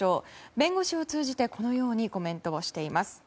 弁護士を通じてこのようにコメントしています。